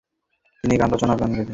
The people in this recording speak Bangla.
তিনি গান রচনা করে গেয়ে যেতেন।